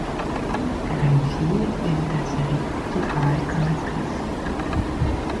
Elle a une fille, Evita Ciri, qui travaille comme actrice.